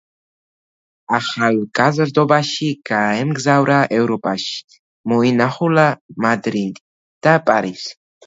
ახალგაზრდობაში გაემგზავრა ევროპაში, მოინახულა მადრიდი და პარიზი.